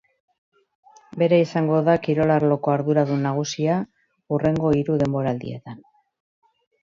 Bera izango da kirol arloko arduradun nagusia hurrengo hiru denboraldietan.